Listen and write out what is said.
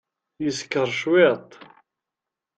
Yeskeṛ cwiṭ.